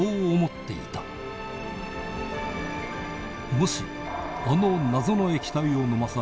もしあの謎の液体を飲まされ